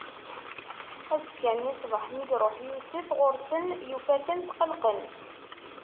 Azekka-nni ṣṣbeḥ, mi iṛuḥ Yusef ɣur-sen, yufa-ten tqelqen.